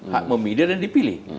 hak memilih dan dipilih